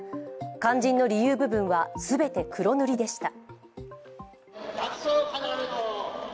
肝心の理由部分は全て黒塗りでした。